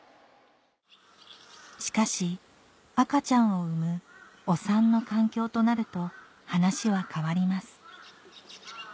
しかし赤ちゃんを産むお産の環境となると話は変わります